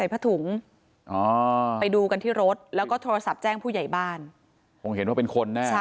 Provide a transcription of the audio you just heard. มันนำสายเด็กหล่างบทประหลายจบการวิทยาพยาพิกัดอีกอ๋อโอ้โห